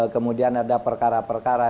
kemudian ada perkara perkara